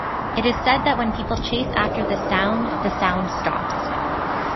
It is said that when people chase after this sound, the sound stops.